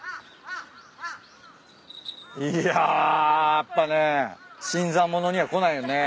いややっぱね新参者には来ないよね。